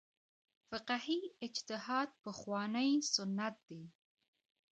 فقهي اجتهاد پخوانی سنت دی.